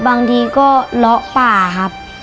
บางทีก็เลาะป่าครับ